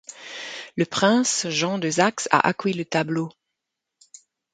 Le prince Jean de Saxe a acquis le tableau.